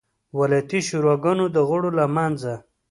ولایتي شوراګانو د غړو له منځه.